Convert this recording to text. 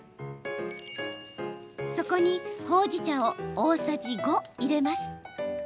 そこに、ほうじ茶を大さじ５入れます。